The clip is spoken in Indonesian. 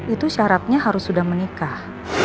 itu syaratnya harus sudah menikah